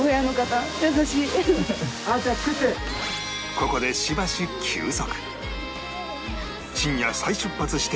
ここでしばし休息